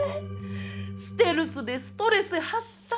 ステルスでストレス発散。